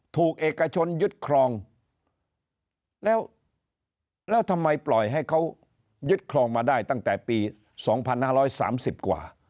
เอกชนยึดครองแล้วแล้วทำไมปล่อยให้เขายึดครองมาได้ตั้งแต่ปี๒๕๓๐กว่า